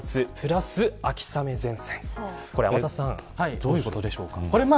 天達さんどういうことでしょうか。